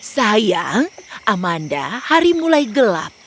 sayang amanda hari mulai gelap